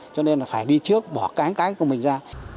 cho nên là phải đi trước bỏ cái của mình ra